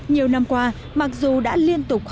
nhiều năm qua mặc dù đã liên tục khóa